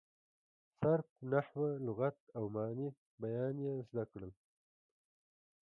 صرف، نحو، لغت او معاني بیان یې زده کړل.